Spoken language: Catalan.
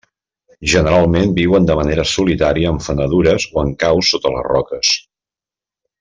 Generalment viuen de manera solitària en fenedures o en caus sota les roques.